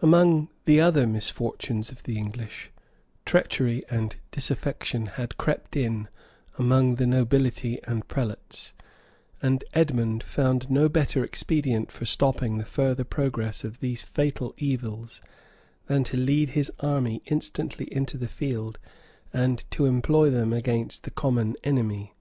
Among the other misfortunes of the English, treachery and disaffection had crept in among the nobility and prelates; and Edmond found no better expedient for stopping the further progress of these fatal evils, than to lead his army instantly into the field, and to employ them against the common enemy.